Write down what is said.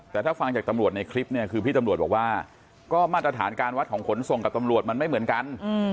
แต่ถ้าฟังจากตำรวจในคลิปเนี่ยคือพี่ตำรวจบอกว่าก็มาตรฐานการวัดของขนส่งกับตำรวจมันไม่เหมือนกัน